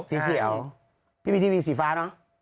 สีเขียวทีวีสีฟ้าเนอะ